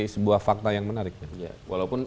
sebuah fakta yang menarik walaupun